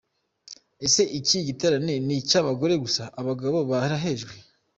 Ese iki giterane ni icy’abagore gusa, abagabo barahejwe?.